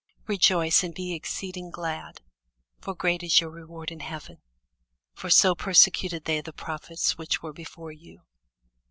Rejoice, and be exceeding glad: for great is your reward in heaven: for so persecuted they the prophets which were before you.